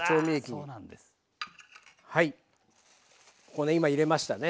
はいこうね今入れましたね。